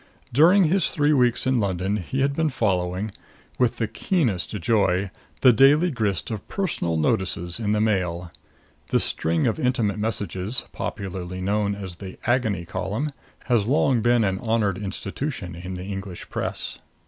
During his three weeks in London he had been following, with the keenest joy, the daily grist of Personal Notices in the Mail. This string of intimate messages, popularly known as the Agony Column, has long been an honored institution in the English press.